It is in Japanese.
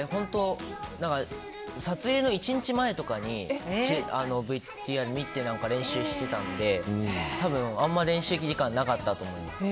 撮影の１日前とかにＶＴＲを見て練習してたので、多分あんまり練習時間なかったと思います。